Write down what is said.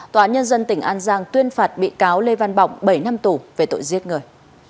tòa án nhân dân tỉnh an giang tuyên phạt bị cáo lê văn bỏng bảy năm tù về tội giết người